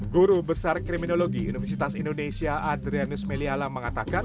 guru besar kriminologi universitas indonesia adrianus meliala mengatakan